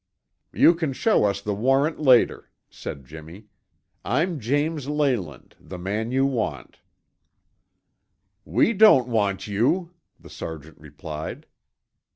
"You can show us the warrant later," said Jimmy. "I'm James Leyland, the man you want." "We don't want you," the sergeant replied.